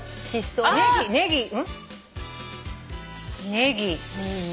ネギ。